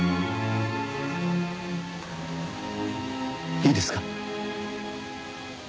いいですか？